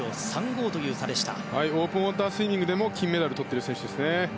オープンウォータースイミングでも金メダルをとっている選手です。